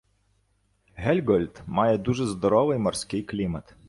Гельґоланд має дуже здоровий морський клімат.